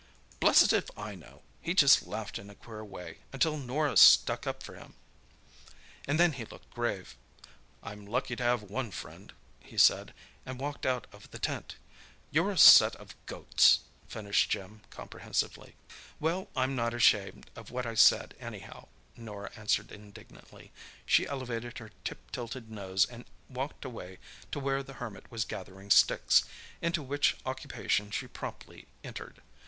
"Blessed if I know. He just laughed in a queer way, until Norah stuck up for him, and then he looked grave. 'I'm lucky to have one friend,' he said, and walked out of the tent. You're a set of goats!" finished Jim comprehensively. "Well, I'm not ashamed of what I said, anyhow!" Norah answered indignantly. She elevated her tip tilted nose, and walked away to where the Hermit was gathering sticks, into which occupation she promptly entered.